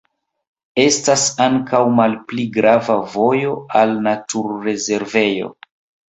Estas ankaŭ malpli grava vojo al naturrezervejo.